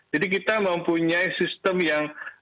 jadi kita mempunyai sistem yang